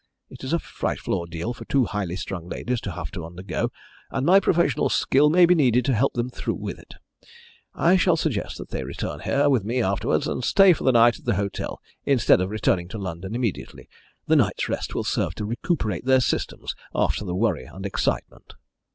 It is a frightful ordeal for two highly strung ladies to have to undergo, and my professional skill may be needed to help them through with it. I shall suggest that they return here with me afterwards, and stay for the night at the hotel, instead of returning to London immediately. The night's rest will serve to recuperate their systems after the worry and excitement."